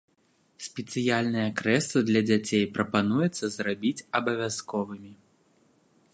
Спецыяльныя крэслы для дзяцей прапануецца зрабіць абавязковымі.